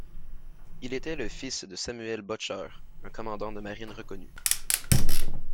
Il était le fils de Samuel Butcher, un commandant de marine reconnu.